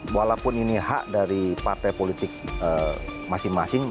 walaupun ini hak dari partai politik masing masing